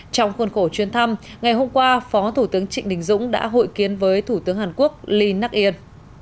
trong khuôn khổ chuyên thăm ngày hôm qua phó thủ tướng trịnh đình dũng đã hội kiến với thủ tướng hàn quốc lee nắc yên